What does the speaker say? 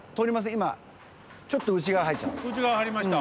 今ちょっと内側入っちゃった。